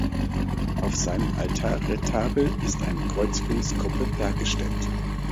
Auf seinem Altarretabel ist eine Kreuzigungsgruppe dargestellt.